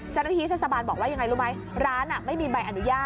เจ้าหน้าที่เทศบาลบอกว่ายังไงรู้ไหมร้านไม่มีใบอนุญาต